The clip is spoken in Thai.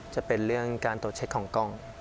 จะเป็นเรื่องการตรวจเช็คของกล้อง